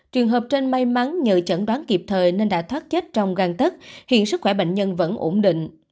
trường hợp trên may mắn nhờ chẩn đoán kịp thời nên đã thoát chết trong găng tất hiện sức khỏe bệnh nhân vẫn ổn định